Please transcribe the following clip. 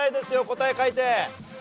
答え書いて。